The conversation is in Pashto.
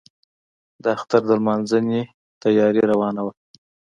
د اختر د لمانځنې تیاري روانه وه.